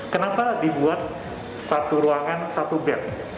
kenapa dibuat satu ruangan satu bed